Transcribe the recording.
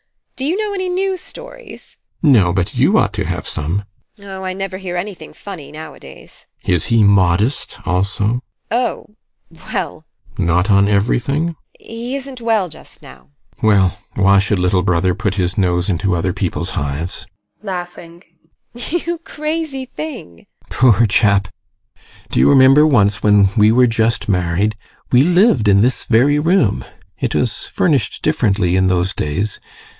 Do you know any new stories? GUSTAV. No, but you ought to have some. TEKLA. Oh, I never hear anything funny nowadays. GUSTAV. Is he modest also? TEKLA. Oh well GUSTAV. Not an everything? TEKLA. He isn't well just now. GUSTAV. Well, why should little brother put his nose into other people's hives? TEKLA. You crazy thing! GUSTAV. Poor chap! Do you remember once when we were just married we lived in this very room. It was furnished differently in those days.